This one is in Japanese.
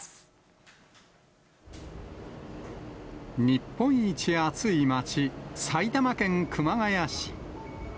日本一暑い街、埼玉県熊谷市。